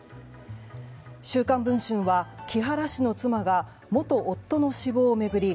「週刊文春」は木原氏の妻が元夫の死亡を巡り